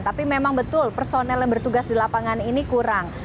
tapi memang betul personel yang bertugas di lapangan ini kurang